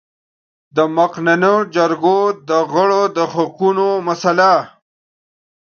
د مقننه جرګو د غړو د حقونو مسئله